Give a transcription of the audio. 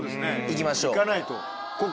行きましょう。